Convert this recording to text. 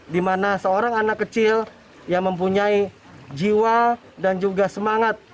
di mana seorang anak kecil yang mempunyai jiwa dan juga semangat